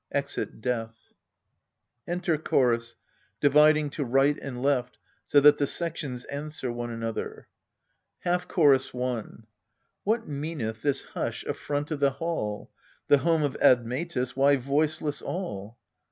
\Exit DEATH. Enter CHORUS, dividing to right and left, so that the sections answer one another Half Chorus i. What meaneth this hush afront of the hall? The home of Admetus, why voiceless all?